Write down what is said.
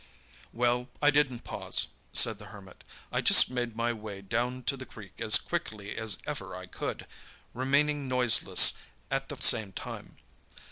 "Well, I didn't pause," said the Hermit. "I just made my way down to the creek as quickly as ever I could, remaining noiseless at the same time.